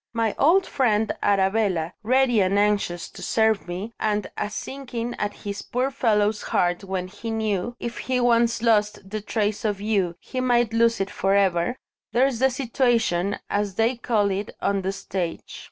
My old friend Arabella, ready and anxious to serve me and a sinking at this poor fellow's heart when he knew, if he once lost the trace of you, he might lose it for ever there's the situation, as they call it on the stage.